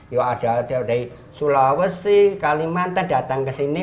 ya ada dari sulawesi kalimantan datang kesini